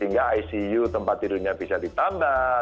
sehingga icu tempat tidurnya bisa ditambah